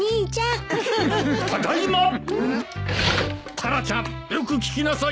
タラちゃんよく聞きなさい。